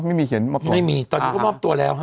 ไม่มีตอนนี้ก็มอบตัวแล้วฮะ